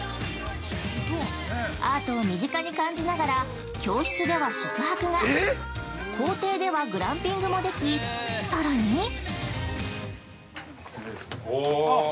アートを身近に感じながら教室では宿泊が校庭ではグランピングもできさらに◆おー。